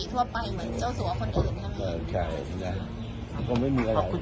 ขอบคุณมากนะครับ